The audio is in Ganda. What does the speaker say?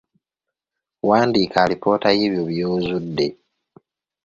Wandiika alipoota y’ebyo by’ozudde